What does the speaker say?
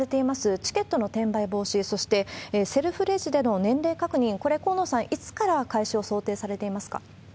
チケットの転売防止、そして、セルフレジでの年齢確認、これ、河野さん、いつから開始を想定されています